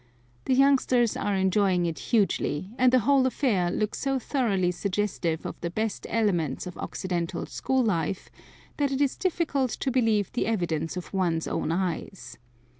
The youngsters are enjoying it hugely, and the whole affair looks so thoroughly suggestive of the best elements of Occidental school life that it is difficult to believe the evidence of one's own eyes.